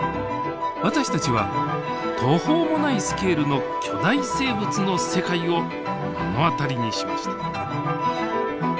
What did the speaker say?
私たちは途方もないスケールの巨大生物の世界を目の当たりにしました。